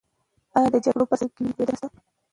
ایا د جګړې په صحنو کې وینه تویدنه شته؟